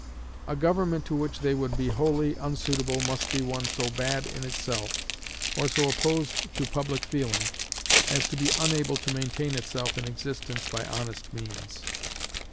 A government to which they would be wholly unsuitable must be one so bad in itself, or so opposed to public feeling, as to be unable to maintain itself in existence by honest means.